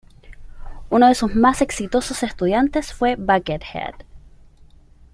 Uno de sus más exitosos estudiantes fue Buckethead.